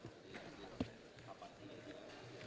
oh video nya baru bisa juga